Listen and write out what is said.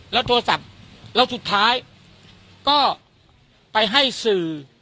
แล้วโทรศัพท์แล้วสุดท้ายก็ไปให้สื่อ